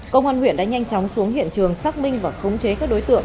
công an huyện đã nhanh chóng xuống hiện trường xác minh và khống chế các đối tượng